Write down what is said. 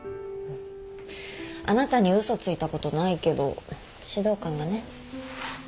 あなたに嘘ついたことないけど指導官がね。